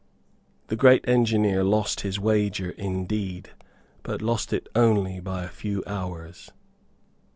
The great engineer lost his wager indeed, but lost it only by a few hours.